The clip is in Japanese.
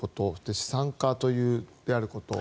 資産家であること。